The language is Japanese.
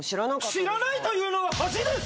知らないというのは恥です！